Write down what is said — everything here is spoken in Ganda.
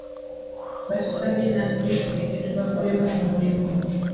Batusabye naffe tugende tubakolemu omulimu.